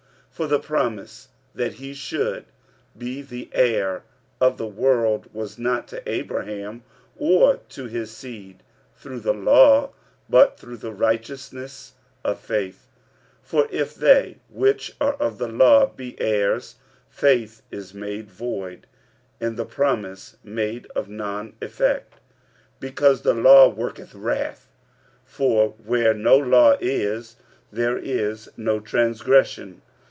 45:004:013 For the promise, that he should be the heir of the world, was not to Abraham, or to his seed, through the law, but through the righteousness of faith. 45:004:014 For if they which are of the law be heirs, faith is made void, and the promise made of none effect: 45:004:015 Because the law worketh wrath: for where no law is, there is no transgression.